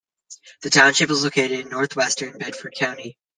The township is located in northwestern Bedford County.